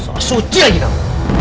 sampai suci lagi kamu